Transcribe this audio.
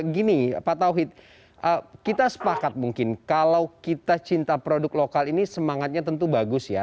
gini pak tauhid kita sepakat mungkin kalau kita cinta produk lokal ini semangatnya tentu bagus ya